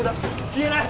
消えない！